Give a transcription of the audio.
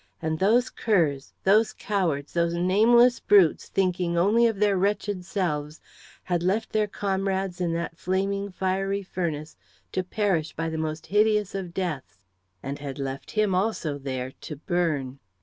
And those curs, those cowards, those nameless brutes, thinking only of their wretched selves, had left their comrades in that flaming, fiery furnace, to perish by the most hideous of deaths, and had left him, also, there to burn.